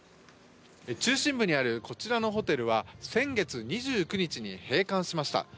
中心部にあるこちらのホテルは先月２９日に閉館しました。